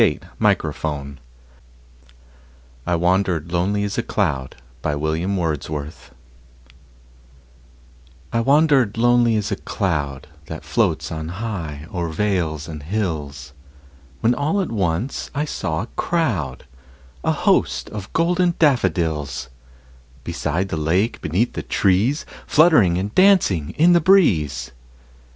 William Wordsworth I Wandered Lonely As a Cloud I WANDERED lonely as a cloud That floats on high o'er vales and hills, When all at once I saw a crowd, A host, of golden daffodils; Beside the lake, beneath the trees, Fluttering and dancing in the breeze.